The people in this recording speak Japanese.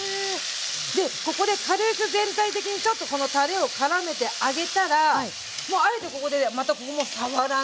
でここで軽く全体的にちょっとこのたれをからめてあげたらもうあえてここで全くここもう触らない。